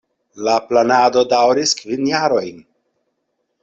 La planado daŭris kvin jarojn.